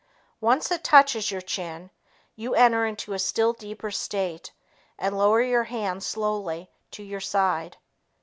Once it touches your chin, you enter into a still deeper state and lower your hand slowly to your side.